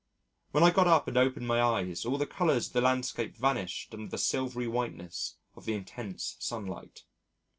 When I got up and opened my eyes all the colours of the landscape vanished under the silvery whiteness of the intense sunlight.